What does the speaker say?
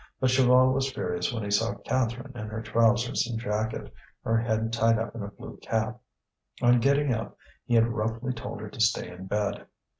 But Chaval was furious when he saw Catherine in her trousers and jacket, her head tied up in the blue cap. On getting up, he had roughly told her to stay in bed.